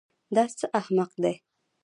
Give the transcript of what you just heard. دا څه احمق دی.